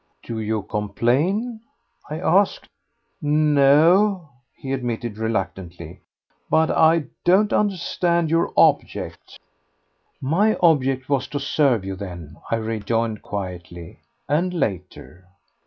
"Do you complain?" I asked. "No," he admitted reluctantly, "but I don't understand your object." "My object was to serve you then," I rejoined quietly, "and later."